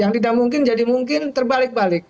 yang tidak mungkin jadi mungkin terbalik balik